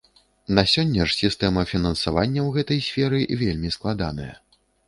На сёння ж сістэма фінансавання ў гэтай сферы вельмі складаная.